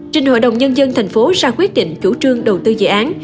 trình hội đồng nhân dân thành phố ra quyết định chủ trương đầu tư dự án